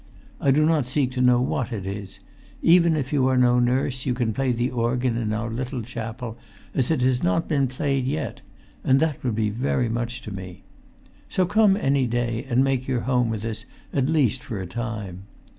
I do not seek to know what it is. Even if you are no nurse you can play the organ in our little chapel as it has not been played yet; and that would be very much to me. So come any day and make your home with us at least for a time."